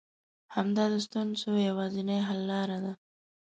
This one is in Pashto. همدا د ستونزو يوازنۍ حل لاره ده.